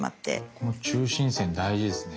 この中心線大事ですね。